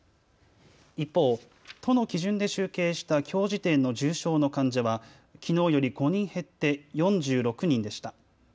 一方、都の基準で集計したきょう時点の重症の患者はきのうより５人減って４６人でした。